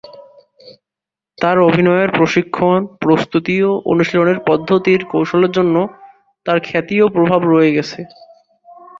তার অভিনয়ের প্রশিক্ষণ, প্রস্তুতি, ও অনুশীলনের পদ্ধতির কৌশলের জন্য তার খ্যাতি ও প্রভাব রয়ে গেছে।